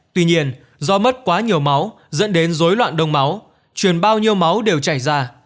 tuy nhiên do mất quá nhiều máu dẫn đến dối loạn đông máu truyền bao nhiêu máu đều chảy ra